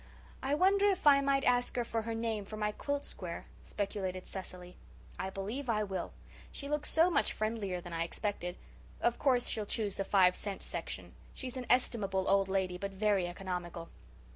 "I wonder if I might ask her for her name for my quilt square?" speculated Cecily. "I believe I will. She looks so much friendlier than I expected. Of course she'll choose the five cent section. She's an estimable old lady, but very economical."